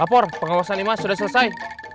lapor pengawasan lima sudah selesai